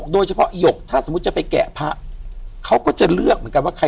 ได้กลับมา